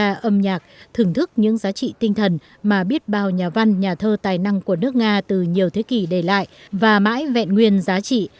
các âm nhạc thưởng thức những giá trị tinh thần mà biết bao nhà văn nhà thơ tài năng của nước nga từ nhiều thế kỷ để lại và mãi vẹn nguyên giá trị